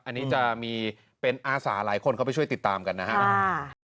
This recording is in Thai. อันนี้จะมีเป็นอาสาหลายคนเข้าไปช่วยติดตามกันนะครับ